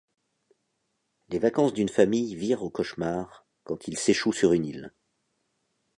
Les vacances d'une famille virent au cauchemar quand ils s'échouent sur une île.